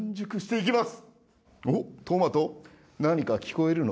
おっトマト何か聞こえるのか？